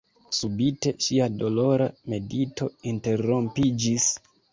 Subite ŝia dolora medito interrompiĝis.